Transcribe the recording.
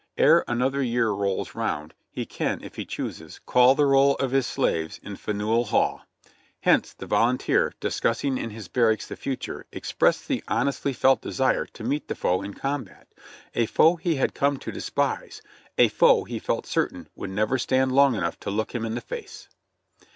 Ere another year rolls round he can, if he chooses, call the roll of his slaves in Faneuil Hall." Hence, the volunteer, discussing in his barracks the future, expressed the honestly felt desire to meet the foe in combat ; a foe he had come to despise ; a foe he felt cer tain would never stand long enough to look him in the face.